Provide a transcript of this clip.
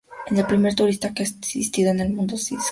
El primer turista que ha existido en el Mundodisco.